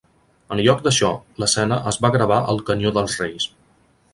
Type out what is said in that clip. En lloc d'això, l'escena es va gravar al Canyó dels Reis.